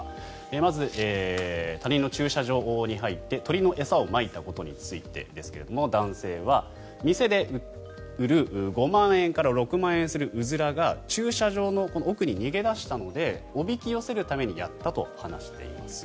まず、他人の駐車場に入って鳥の餌をまいたことについてですが男性は店で売る５万円から６万円するウズラが駐車場の奥に逃げ出したのでおびき寄せるためにやったと話しています。